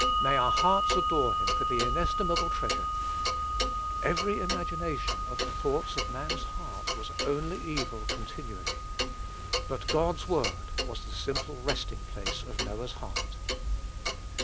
May our hearts adore him for the inestimable treasure! "Every imagination of the thoughts of man's heart was only evil continually;" but God's word was the simple resting place of Noah's heart.